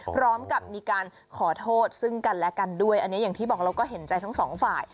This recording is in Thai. พร้อมกับมีการขอโทษซึ่งกันและกันด้วยอันนี้อย่างที่บอกเราก็เห็นใจทั้งสองฝ่าย